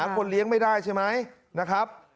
คนเลี้ยงไม่ได้ใช่ไหมนะครับ